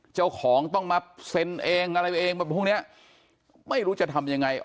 เจ้าของต้องมาเซ็นเองอะไรเองแบบพวกเนี้ยไม่รู้จะทำยังไง